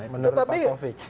menurut pak kofi